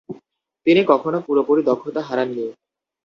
তিনি কখনো পুরোপুরি দক্ষতা হারাননি।